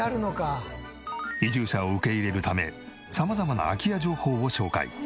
移住者を受け入れるため様々な空き家情報を紹介。